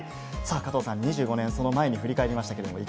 加藤さん、２５年、その前に振り返りましたけど。